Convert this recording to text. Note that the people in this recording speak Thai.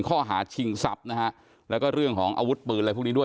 ข้อหาชิงทรัพย์นะฮะแล้วก็เรื่องของอาวุธปืนอะไรพวกนี้ด้วย